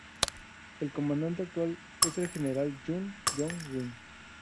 El comandante actual es el general Yun Jong-rin.